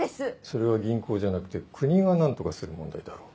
それは銀行じゃなくて国が何とかする問題だろ。